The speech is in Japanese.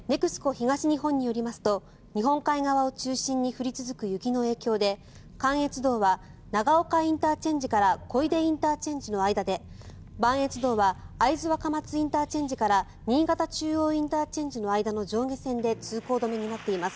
東日本によりますと日本海側を中心に降り続く雪の影響で関越道は長岡ＩＣから小出ＩＣの間で磐越道は会津若松ＩＣから新潟中央ＩＣの間の上下線で通行止めになっています。